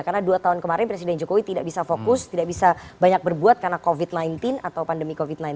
karena dua tahun kemarin presiden jokowi tidak bisa fokus tidak bisa banyak berbuat karena covid sembilan belas atau pandemi covid sembilan belas